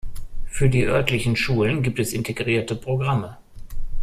Für die örtlichen Schulen gibt es integrierte Programme.